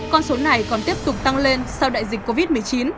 con số này còn tiếp tục tăng lên sau đại dịch covid một mươi chín